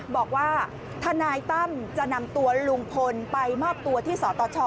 บอกว่าทนายตั้มจะนำตัวลุงพลไปมอบตัวที่สตช